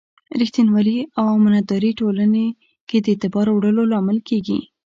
ریښتینولي او امانتداري ټولنې کې د اعتبار لوړولو لامل کېږي.